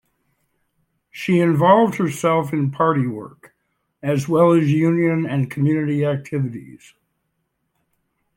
She involved herself in party work, as well as union and community activities.